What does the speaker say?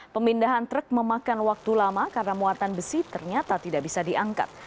pemindahan truk memakan waktu lama karena muatan besi ternyata tidak bisa diangkat